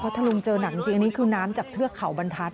ทะลุงเจอหนักจริงอันนี้คือน้ำจากเทือกเขาบรรทัศน